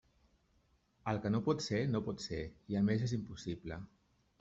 El que no pot ser, no pot ser, i a més és impossible.